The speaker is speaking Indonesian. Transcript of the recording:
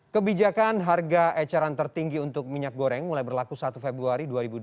kebijakan harga eceran tertinggi untuk minyak goreng mulai berlaku satu februari dua ribu dua puluh